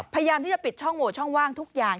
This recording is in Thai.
พยายามที่จะปิดช่องโหวตช่องว่างทุกอย่าง